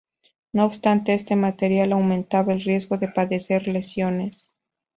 No obstante este material aumentaba el riesgo de padecer lesiones.